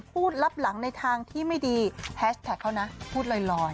พูดรับหลังในทางที่ไม่ดีแฮชแท็กเขานะพูดลอย